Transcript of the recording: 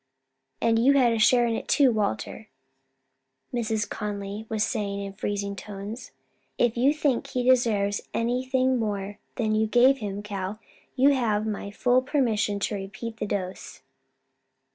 "And you had a share in it too, Walter?" Mrs. Conly was saying in freezing tones. "If you think he deserves any more than you gave him, Cal, you have my full permission to repeat the dose."